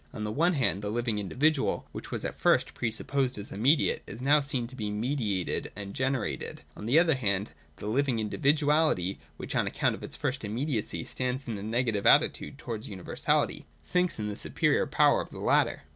On the one hand, the living individual, which was at first pre supposed as immediate, is now seen to be mediated and generated. On the other, however, the living indi viduality, which, on account of its first immediacy, stands in a negative attitude towards universality, sinks in the superior power of the latter.